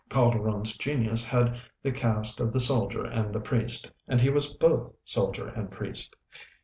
Calderon's genius had the cast of the soldier and the priest, and he was both soldier and priest.